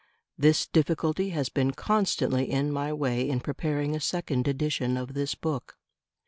This difficulty has been constantly in my way in preparing a second edition of this book.